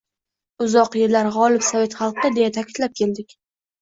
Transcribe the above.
Uzoq yillar g`olib sovet xalqi, deya ta`kidlab keldik